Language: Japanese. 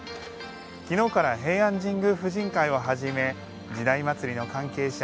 昨日から平安時代婦人会をはじめ「時代祭」の関係者